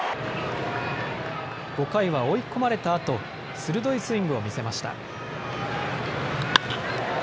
５回は追い込まれたあと鋭いスイングを見せました。